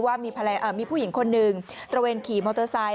ว่ามีผู้หญิงคนหนึ่งตระเวนขี่มอเตอร์ไซค